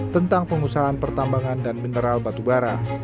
tentang pengusahaan pertambangan dan mineral batubara